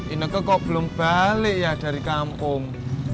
innego kok belum balik ya dari kampung